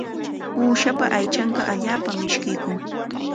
Uushapa aychanqa allaapam mishkiykun.